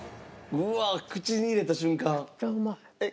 うわあ口に入れた瞬間！